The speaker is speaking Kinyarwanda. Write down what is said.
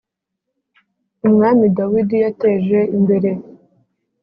Umwami Dawidi yateje imbere